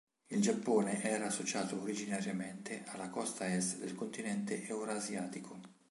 Il Giappone era associato originariamente alla costa est del continente eurasiatico.